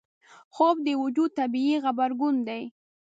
خوب د وجود طبیعي غبرګون دی